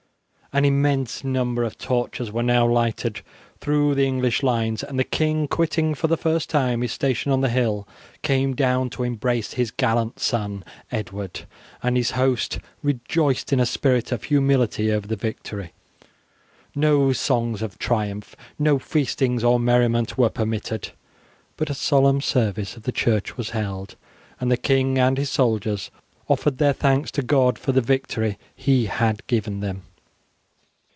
An immense number of torches were now lighted through the English lines, and the king, quitting for the first time his station on the hill, came down to embrace his gallant son. Edward and his host rejoiced in a spirit of humility over the victory. No songs of triumph, no feastings or merriment were permitted, but a solemn service of the church was held, and the king and his soldiers offered their thanks to God for the victory He had given them.